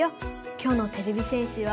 きょうのてれび戦士は。